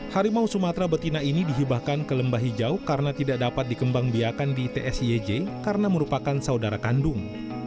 harimau sumatera betina ini dihibahkan ke lembah hijau karena tidak dapat dikembang biakan di tsij karena merupakan saudara kandung